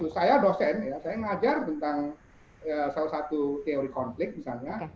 saya dosen ya saya mengajar tentang salah satu teori konflik misalnya